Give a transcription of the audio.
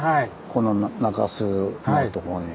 この中州のとこに。